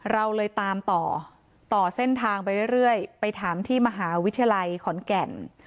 เราเลยตามต่อต่อเส้นทางไปเรื่อยไปถามที่มหาวิทยาลัยขอนแก่น